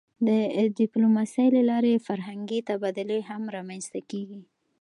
د ډیپلوماسی له لارې فرهنګي تبادلې هم رامنځته کېږي.